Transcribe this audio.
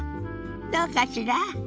どうかしら？